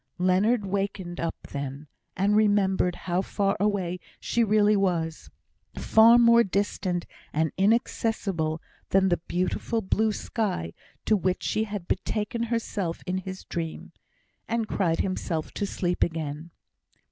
Leonard wakened up then, and remembered how far away she really was far more distant and inaccessible than the beautiful blue sky to which she had betaken herself in his dream and cried himself to sleep again.